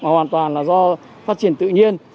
hoàn toàn là do phát triển tự nhiên